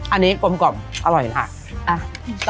อันนี้กลมกล่อมอร่อยแล้ว